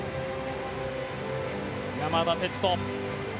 山田哲人。